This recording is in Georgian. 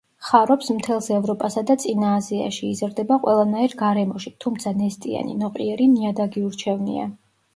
ხარობს მთელს ევროპასა და წინა აზიაში, იზრდება ყველანაირ გარემოში, თუმცა ნესტიანი, ნოყიერი ნიადაგი ურჩევნია.